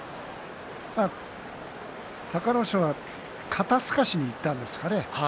隆の勝が肩すかしにいったんでしょうかね。